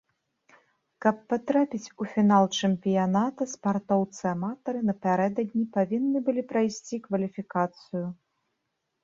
Каб патрапіць у фінал чэмпіяната, спартоўцы-аматары напярэдадні павінны былі прайсці кваліфікацыю.